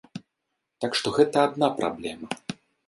Так што гэта адна праблема.